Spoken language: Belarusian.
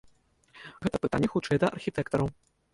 Гэта пытанне хутчэй да архітэктараў.